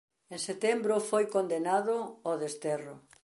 En setembro foi condenado ao desterro.